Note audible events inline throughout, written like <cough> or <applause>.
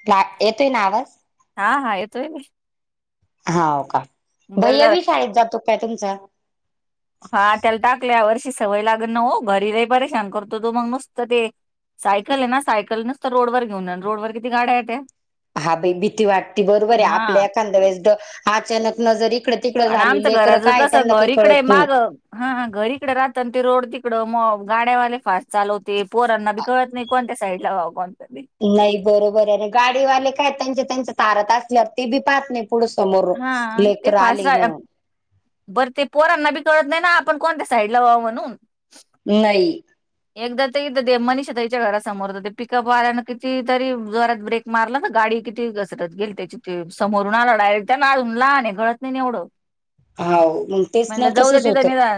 <unintelligible> येतोय ना आवाज. हा हा येतोय की. हाव का, बरं भैया झालं बी शाळेत जातो काय तुमचा? हा त्याला टाकल्य या वर्षी सवय लागत न ओ घरी लय परेशान करतो तो मग मसत ते सायकल आहे न सायकल नच तर रोडवर घेऊन ये रोडवर किती गाड्या येत्या. हा भाई भीती वाटती बरोबर आहे हा आपल्या एखाद्या वेळेस अचानक नजर इकडं तिकडं आणि झाली आमचं लेकरं घराचं काय कसं त्यांना काही घर इकड हाय कळत नाही. मागं. हा हा घर इकड राहत ते रोड तिकडं मग गाड्यावाले फास्ट चालवते पोरांना बी कळत नाही. कोणत्या साईड ला वाव कोणत्या ते. नाही बरोबर आहे गाडीवाले काय त्यांच्या त्यांच्या तारत असल्या ते बी पाहत नाहित. आपड समोर हा लेख ते फास्ट रले रा- म्ह बरं ते पोरांना बी कळत नाही ना आपण कोणत्या साईडला व्हाव म्हणून नाही एकदा तथ देमनीिशताईच्या घरासमोर हो ते पिकअपवाल्यान किती तरी जरात ब्रेक मारला ना गाडी किती घसरत गेल त्याच्याची ते समोरून आलाड त्या लाळून लहान गळत वढं हाव मग तेच ना म्हणलं जाऊ द तसच तिथ होतं. नि जा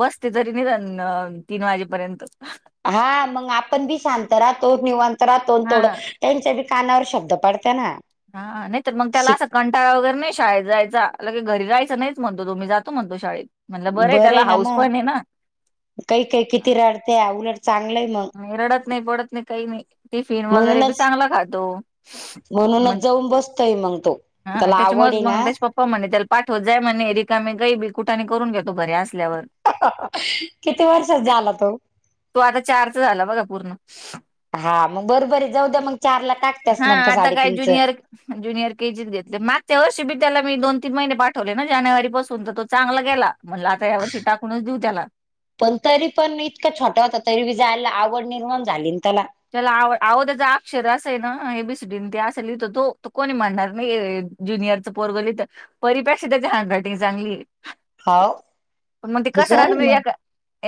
बसते तरी नि तीन वाजेपर्यंत हा मग आपण बी सांगत राहतो निवांत राहतो थोडं हा. त्यांच्या बी कानावर शब्द पाडत ना हा नाही तर मग त्याला अस शिक कंटाळा वगैरे नाही शळेत जायचा लगे घरी राहायं नाही म्हणतो तो मी जातो म्हणतो शाळेत म्हणलं बरं त्याला आहे ना हाऊस मग पण आहे ना. काही काही हा, किती रडते उलट चांगलंय मग रडत नाही पडत नाही काही नाही टिफिन वगैरे बी म्हणूनच चांगला खातो म म्हणूनच जाऊन बसतोय मग तो हा त्याला त्याच्या आवड मग आहे मग ना त्याचे पप्पा प म्हणे त्याला पाठवत जाय म्हणे रिका मी गई बी कुठाने करून घेेतो घरी असल्यावर किती वर्षात झाला तो झा बघा पूर्ण हा मग बर बर जाऊ द्या मग चार ला टाक हा आता काय ज्युनियर ज्युनियर केजीत घेतले माग त्या वर्षी बी त्याला मी दोन तीन महिने पाठवले ना जानेवारी पासून तर तो चांगला गेला म्हणलं आता या वर्षी टाकूनच देऊ त्याला पण तरी पण इतका छोटा होता तरी बी जायला आवड निर्माण झाली ना त्याला चला आव आो त्याचा अक्षर असा आहे ना हे बीसडीन ते असां लि तर तो कोणी म्हणणार नाही ज्युनियरचं पोरगली तर परिप्रक्ष त्याची हँड रायटिंग चांगली हो मग ते कसं हुशार राहत आहे म मग या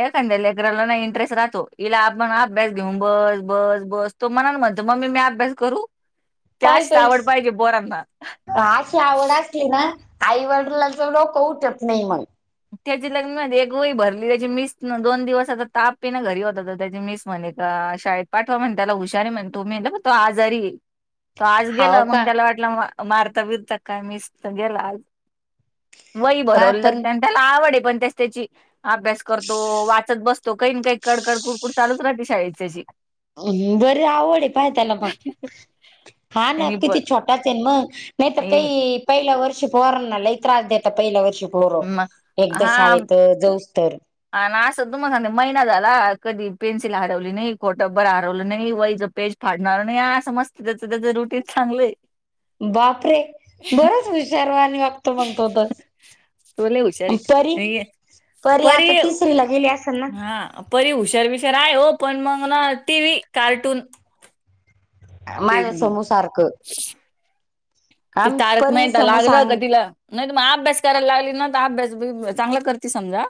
एखा्या लेकरराला ना इंटरेस्ट राहतो इिला आपण अभ्यास घेऊन बस बस बस तो म्हणाल म्हणतो मम्मी मी अभ्यास करू पाय त्याच बाई आवड पाहिजे बोरांना अशी आवड असली ना आईवडिलाचवडक उठत नाही मग त्याची लग्न एक वही भरली त्याची मिस दोन दिवस आता तापी ना घरी होत त्याची मिस म्हणे अ शाळेत पाठवा म्हणता त्याला हुशारी म्हणतो मी तो आजारी तो आज हाव गेला मग का? त्याला वाटलं मारता बिरत काय मस गेला आज वय पहा भरवलं पण लागते आणि त्याला आवड आहे पण त्यास त्याची अभ्यास करतो वाचत बसतो काही ना काही कडकड कुडकुड चालूच राहते शाळेच्याशी बर आवड आहे पाय त्याला मग हा ना त्यांनी पण किती छोटाच आहे मग नाही तर ए, काही पहिल्या वर्षी पोहर ना ल त्रास देता पहिल्या वर्षी पोहर म एकदा शाळेत जाऊ तर हा ना असं तू मला सांगते महिना झाला कधी पेन्सिल हरवली नाही खोटं बरं हरवलं नाही वैच पेज फाडणार आणि असं मस्त त्याच त्याच रुटीन चांगलं आहे बापरे बरच विचारवा आणि वागतो म्हणतो तर त लवचारी परी परी पर आता तिसरीला गेली असेल ना हा परी हुशार बिशार आहे हो पण मग ना टी व्ही कार्टून ते माझ्या समोसारख त तारक माहता लागलं का सांग तिला नाही त मग अभ्यास करायला लागली ना तर अभ्यास चांगला करते समजा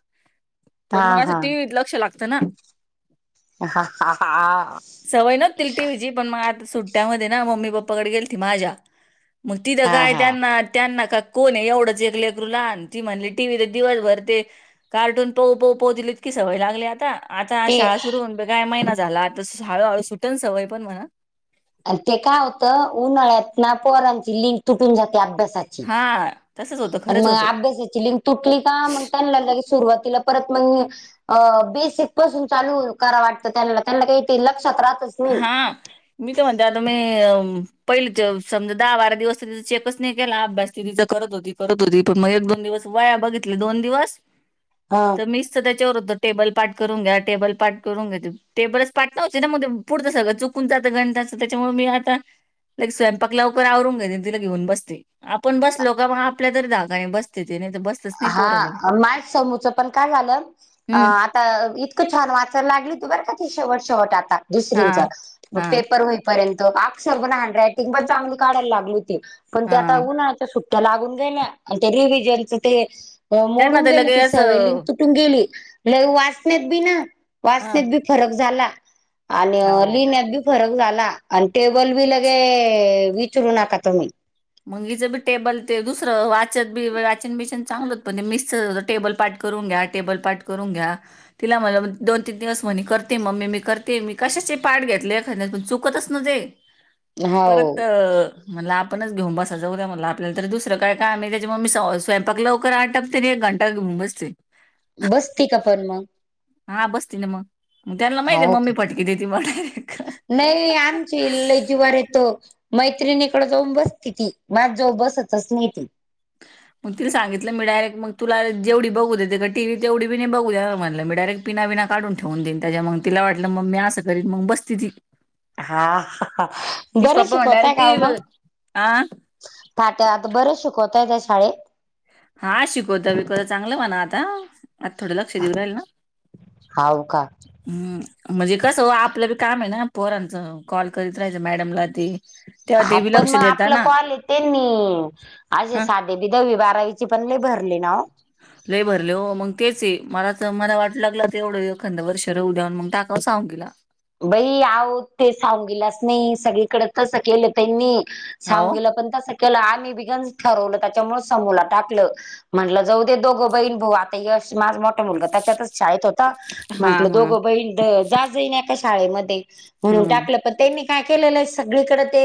पण हा मग असं हा टीव्हीत लक्ष लागतं ना ह ह हा सवय नव्हती तिला टीव्हीची पण मग आता सुट्ट्यामध्ये ना मम्मी पप्पाकडे गेलती माझ्या. मग तिथं हा काय हा त्यांना त्यांना का कोण आहे एवढंच एक लेकरू लहान ती म्हणली टी व्ही तर दिवसभर ते कार्टून पाहू पाहू पाहू तीला इतकी सवय लागली आता. आता ते शाळा सुरू होऊन काय महिना झाला आता हळूहळू सुटेल सवय पण म्हणा. अ ते काय होतं उन्हाळ्यात ना पोहरांची लिंक तुटून जाते अभ्यासाची. हां! आणि मग अभ्यासाची लिंक तुटली का मग त्यांना लगेच सुरुवातीला परत मग अ बेसिक पासून चालू कराव वाटतं त्याला, त्यांना काही ते लक्षात राहतच नाही. हा! मी तर म्हणते आता मी पहिल समजा दहा बारा दिवस तिज चेकच नाही केला अभ्यास ती तीजा करत होती. करत होती पण मग एक दोन दिवस व्हाया बघितली दोन दिवस हा! मीस तर त्याच्यावर होत टेबल पाठ करून घ्या टेबल पाठ करून घ्या टेबलच पाठ न्हवतेना म ते पुढतं सगळं चुकून जातं गणिच त्याच्यामुळे मी आता लाईक स्वयंपाक लवकर आवरून घेते आणि तिला घेऊन बसते. आपण बसलो का म आपल्या तरी धाकाने बसतेती नाही तर बस हा माय समूच पण काय झालं हं, आता इतकं छान वाचायला लागली होती बर का शेवट शेवट आता दुसरींच हां, म हां, पेपर होई पर्यंत अक्षर पण हॅण्ड रायटिंग पण चांगली काढायला लागली होती, पण ते आता हां. उन्हा्याच्या सु ट्या लागून गेल्या मग त्या रिव्हजनच ते त्यांना मोडून तर गेले लगे ती सव लिंक असं तुटून गेली लागि वाचण्यात बी ना हं, वाचण्यात बी फरक झाला. आणि हो. लिहिण्यात बी फरक झाला आणि टेबल बी लगे विचरू नका तुम्ही. मग हीच बी टेबल ते दुसरं वाचत बी वाचन बिचन चांगलं पण ते मिस टेबल पाठ करून घ्या टेबल पाठ करून घ्या तिला मग दोन तीन दिवस म्हने करते मम्मे मी करते मी कशाचे पाठ घेतलय एखाद्यात चुकतच ना तेे! परत हो म्हनल आपणच घेऊन बसायच उद्या म्हला आपल्या तर दुसरं काय कायम आहे त्याच्या मूळ मी स्वयंपाक लवकर आटपते एक घंटा घेऊन बसते. बसते का पण मग? हा बसती ना मग मग त्यांना माहित आहे हो मम्मी फटके देते मग डायरेक्ट! नाही आमची लय जीवार येत. मैत्रिणीकड जाऊन बसती ती माझ्या जवळ बसतच नाही ती. मग तिला सांगितल मी डायरेक्ट मग तुला जेवढ बघू देते का टी वी तेढी बघू बी बघू नेणार नाय म्हणलं मी डायरेक्ट पिनाबीना काढून ठेवून देईन त्याच्या मूळ मग तिला वाटलं मग मी असं करीन मग बसती ती. हा तिचे बरं पप्पा म्हणे शिकवताय डायरेक्ट का ओ टीव्ही बघ. मग. आ फाट्यात बर शिकवताय त्या शाळेत. हा शिकवता बीकवत चांगलं म्हणा आता. आता थोडं लक्ष देऊ राहील ना. हाव का हम्, म्हणजे कसं हो आपलं बी काम आहे ना पोरांचं कॉल करीत राहायच मॅडमला ते तेव्हा हा ते बी पण लक्ष मग देता आपला ना. कॉल त्यांनी असे ह साधे बीदे दहावी बारावीची पण लइ भरली ना ओ? लय भरले हो मग तेच ये मला तर मला वाट लागला तर एवढ एखंद वर्ष राहुद्याव मग टाकाव साळुंखिला. बई आहो ते साळुंखिला च नाय सगळीकडे तस केल त्यांनी. हाव. साळुंखिला पण तस केल आम्ही बि तिघांनी ठरवल त्याच्यामुळ समोला टाकल. म्हटलं जाऊ दे दोघ बहीण भाऊ आता यश माझा मोठा मुलगा त्याच्यातच शाळेत होता. हा म्हटल दोघ हा. बहीण जात जाईन एका शाळेमध्ये म्हणून हम्म. टाकल. पन त्यांनी काय केलेलं आहे सगळीकडे ते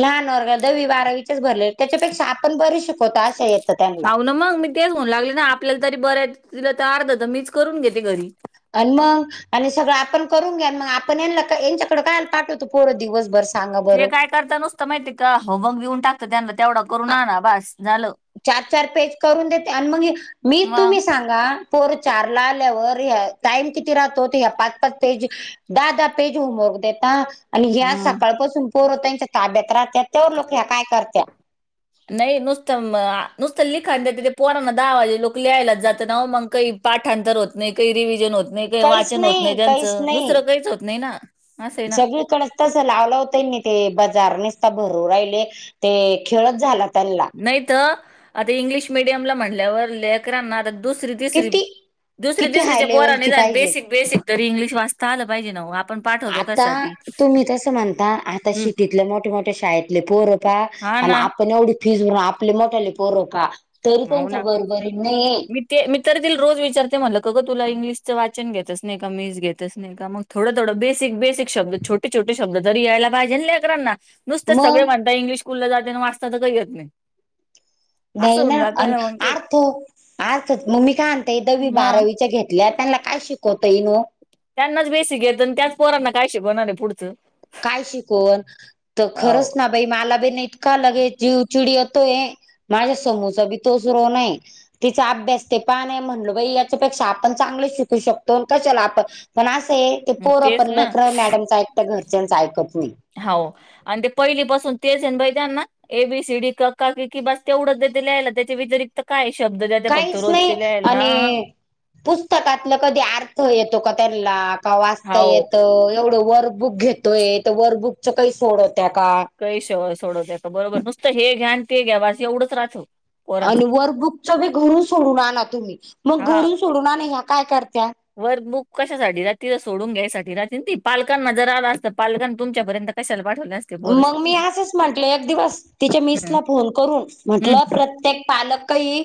लहान वर्ग दहावी बारावीचेच भरले, त्याच्यापेक्षा आपण बरे शिकवतो अशा येत हा ना मग मी तेच होऊन लागले ना आपल्याला तरी बरं तिला तर अर्धत मीच करून घेते घरी. अन्मा. आणि सगळं आपण करून घ्या अन मग आपण यानला यांच्याकड कयाला पाठवतो पोर दिवसभर? सांगा ते बरं काय करता नुसतं माहितीय का होमवर्क देऊन टाकत त्यांनला तेवढा करून आना बस झाल. चार चार पेज करून देते आणि मग मी मग तुम्ही सांग पोर चार ला आल्यावर ह्या टाईम किती राहतो त ह्या पाच पाच पेज ददा पेज हुमरग देता आणि ज्या आ हम्म सकाळपासून पोरतच्या ताब्यात राहतात तेवा मग ह्या काय करत्या? नाही नुसत नुसत लिखाण द तिथे पोरांना दहावाजे लोक लिहायलाच जात ना मग कइ. पाठांतर होत नाइ काइ रिव्हजन होत नाइ काइ वाचन होत नाही त्यांच दुसर काहीच होत नाही ना असं आहे ना सगळीकड तस लावल होत ते बाजार नसता भरू राहिले ते खेळत झाला त्यांला. नाहीत आता इंग्लिश मिडियमला म्हणल्यावर लेकरांना आता दुसरी तिसरी किती दुसरी किती हाय तिसरीच्या बोरा लेवलची निदान पाहिजे बेसिक बेसिक तरी इंग्लिश वाचता आल पाहिजे ना ओ आता तुम्ही तस म्हणता आता शिटीतले मोठ्या मोठ्या शाळेतले पोर पा हा आण ना आपण एवढी फीजवर आपले मोठ्याले पोर पा तरी हो त्यांच्या ना बरोबर नइ. मी ते मि तरी तील रोज विचारते म्हटल का ग तुला इंग्लिशच वाचन घेतच नाही का मीस घेतच नाही का मग थोड थोड बेसिक बेसिक शब्द छटे छोटे शब्द त यायला पाहिजे ना लकरानला. नुसत सगळे मग म्हणता इंग्लिश स्कूलला जाते ना वाचता तर काही येत नाही अस नाही होऊन ना जात. आणि अर्थ अर्थात मग मी काय मी काय म्हणतेय दहावी मग बारावीच्या घेत त्यांना काय शिकवतायेईन ओ त्यांनाच बेसीक येत आणि त्याच पोराना काय शिकवणारे पुढच काय शिकवण त खरच हो ना मला बी ना इतका लगे चिव चिडी येतो ये माझा समोचा बी तोच रोनये तिचा अभ्यास ते पान आहे म्हणल बाई याच्यापेक्षा आपण चांगल शिकू शकतो कशाला आपण पण असये ते मग पोर तेच पण ना लेकर मॅडम च एकता घरच्यांच ऐकत नइ. हव आणि ते पहिली पासून तेज येन बै त्यांना? ए बी सीडी कका क ककी बस तेवढ ते ल्यायला त्याच्या व्यतिरिक् काय शब्द जाते फक्त रोजची लिहायला पुस्तकातल कधी अर्थ येतो का त्यांला का वाचत हाव येत एवढं वर बुक घेतोय तर वरबुक च काही सोडवत्या का? कहीश सोडवत त्या बरोबर नुसत हे घ्या आणि ते घ्याव अस एवढच राहत. आणि वर्कबुकच बी घरून सोडून आना तुम्ही मग घरून सोडून आना म ह्या काय करत्या? वर बुक कशासाठी राती तर सोडून घ्यायसाठी राती ना ती पालकांना जर आला असत पालकन तुमच्यापर्यंत त्याशला पाठवल्या अस मग मी असंच म्हटले एक दिवस तिच्या हम्म मीसला फोन करून म्हंटल हम्म प्रत्येक पालकई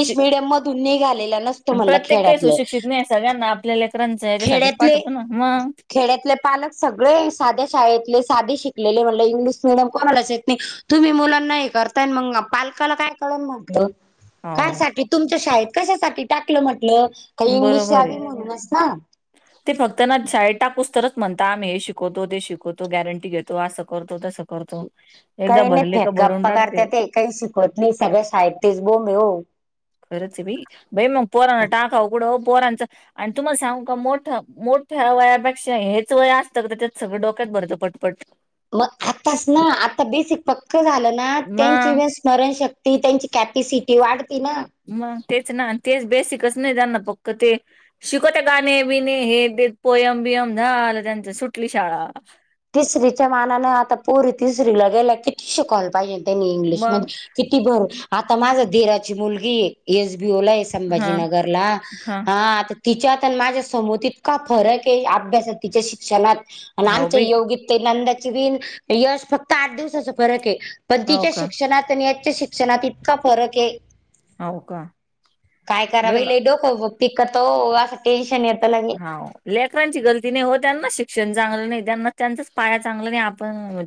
शि मिडियम मधून निघालेला नसत आणि म्हणल प्रत्येक काही खेड्यातल सुशिक्षित सगळ्यांना आपल्या लेकरांच्या हेच्यासाठीच पाठवतो ना मग खेड्यातले पालक सगळे साध्या शाळेतले साधे शिकलेले म्हणलं इंग्लिश मिडीयम कोणालाच येत नाही तुम्ही मुलांना हे करताय मग पालकाला काय कळल म्हणटल हाव कायसाठी तुमच्या शाळेत कशासाठी टाकलं म्हटलं. काही इंग्लिश बरोबर आहे. यावी म्हणूनच ना. ते फक्त ना शाळेतटाकूस तरच म्हणता आमही हे शिकवतो ते शिकवतो गॅरंटी घेतो. तो असं करतो, तसं करतो एकदा काही नाही भरले का भरून फेकाप्पा करत टाकते ते काही शिकवत नाही सगळ्या शाळेत तेच बोम हाय ओ. खरंच ये बई मग पोरांना टाकाव कुड पोरांच आणि तुमला सांग का मोठ मोठ्या वयापेक्षा हेच वया असतं का तेच्यात सगळ डोक्यात भरच पडत पट मग आताच ना आता बेसिक पक्क झालं ना त्यांची मग वे स्मरणशक्ती त्यांची कॅपेसिटी वाढती ना. मग तेच ना तेच बेसिकच नाही त्यांना पक्क ते. शिकवत गाणे बिणे हे ते पोयम बियम झालं त्यांच सुटली शाळा. तिसरीच्या मानानं आता पोरी तिसरीला गेल्या किती शिकवायला पाहिजे त्यांनी मग इंग्लिशमध्ये. किती भर आता माझा दीराची मुलगी एस बी ओ लाय. हा संभाजीनगरला हा आता तिच्यात आणि माझ्या समोतित का फरक आहे अभ्यासात तिच्या शिक्षणात अन हाव बाई नंदाची बी अन् यश फक्त आठ दिवसाचा फरक आहे. पण हो तिच्या का शिक्षणात आणि याच्या शिक्षणात इतका फरक आहे. हो का काय कराव बाई लई डोकं पिकतो असं टेन्शन येत ल हा लेकरांची गलती नाही हो त्यांना शिक्षण चांगलं नाही त्यांना त्यांचाच पाया चांगलं नाही आपण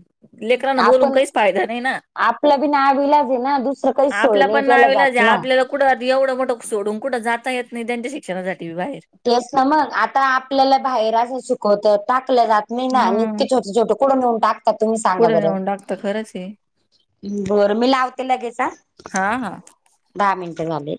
लेकरांना बोलून काहीच फायदा नाही ना. आपलं बी नावीलाज आहे ना दुसरं काही सवय आपला नाही पण केला नाईलाज जात आहे ना. आपल्याला कुठं एवढं मोठं सोडून कुठं जाता येत नाही त्यांच्या शिक्षणासाठी बी बाहेर. तेच ना मग आता आपल्याला बाहेरच शिकवतात टाकलं जात नाही ना मग इतके छोटे छोटे कुट नेऊन टाकतात तुम्ही सांगा बरं. तर खरंचे. बर मी लावते लगेच हा, हा हा दहा मिनट झाले.